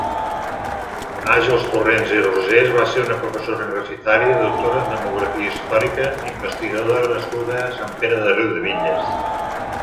Àgels Torrents i Rosés va ser una professora universitària, doctora en demografia històrica, investigadora nascuda a Sant Pere de Riudebitlles.